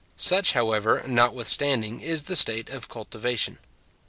Such, however, notwithstanding, is the state of its cultivation.